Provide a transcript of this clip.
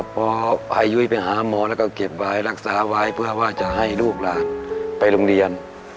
พอพายุ้ยไปหาหมอแล้วก็เก็บไว้รักษาไว้เพื่อว่าจะให้ลูกหลานไปโรงเรียน